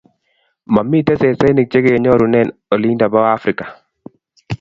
Mamiten sesenik chegenyorunen olindo bo Africa